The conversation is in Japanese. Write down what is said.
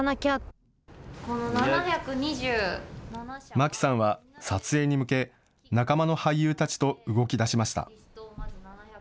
舞木さんは撮影に向け仲間の俳優たちと動きだしました。